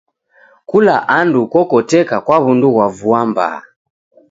Kula andu kokoteka kwa w'undu ghwa vua mbaa.